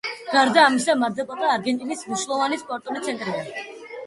გარდა ამისა, მარ-დელ-პლატა არგენტინის მნიშვნელოვანი სპორტული ცენტრია.